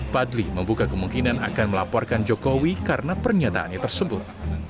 fadli membuka kemungkinan akan melaporkan jokowi karena pernyataannya tersebut